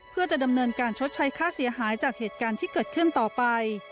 เพื่อจะดำเนินการชดใช้ค่าเสียหายจากเหตุการณ์ที่เกิดขึ้นต่อไป